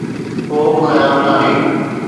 ڪو به خيال ناهي.